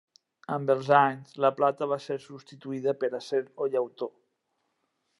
Amb els anys, la plata va ser substituïda per acer o llautó.